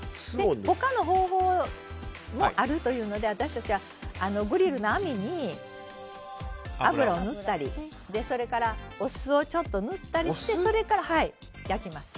他の方法もあるというので私たちは、グリルの網に油を塗ったりそれから、お酢をちょっと塗ったりしてそれから焼きます。